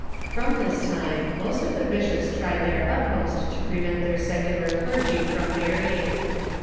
From this time, most of the bishops tried their utmost to prevent their secular clergy from marrying.